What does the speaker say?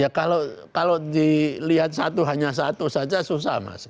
ya kalau dilihat satu hanya satu saja susah mas